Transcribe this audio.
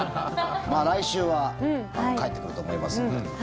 まあ、来週は帰ってくると思いますので。